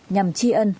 nhằm tri ân